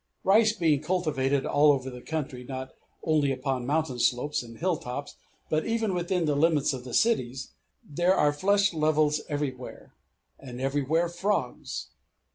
Rice being cultivated all over the country, not only upon mountain slopes and hill tops, but even within the limits of the cities, there are flushed levels everywhere, and everywhere frogs.